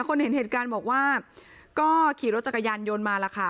คนเห็นเหตุการณ์บอกว่าก็ขี่รถจักรยานยนต์มาแล้วค่ะ